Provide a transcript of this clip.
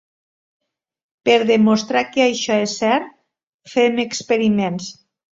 Per demostrar que això és cert, fem experiments.